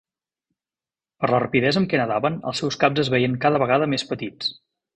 Per la rapidesa amb què nedaven, els seus caps es veien cada vegada més petits.